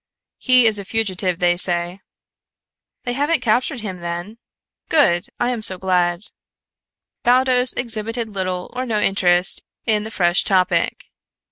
"He is a fugitive, they say." "They haven't captured him, then? Good! I am so glad." Baldos exhibited little or no interest in the fresh topic.